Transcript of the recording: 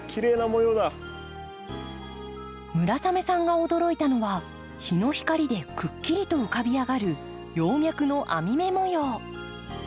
村雨さんが驚いたのは日の光でくっきりと浮かび上がる葉脈の網目模様。